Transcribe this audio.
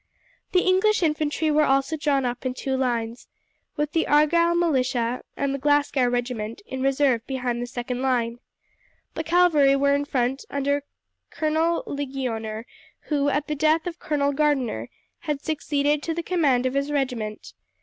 The English infantry were also drawn up in two lines, with the Argyle militia and the Glasgow regiment in reserve behind the second line. The cavalry were in front under Colonel Ligonier, who, at the death of Colonel Gardiner, had succeeded to the command of his regiment.